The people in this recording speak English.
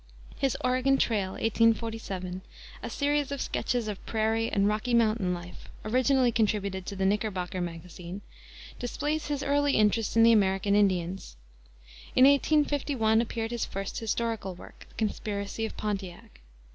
His Oregon Trail, 1847, a series of sketches of prairie and Rocky Mountain life, originally contributed to the Knickerbocker Magazine, displays his early interest in the American Indians. In 1851 appeared his first historical work, the Conspiracy of Pontiac.